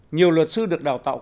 nhiều luật sư được đào tạo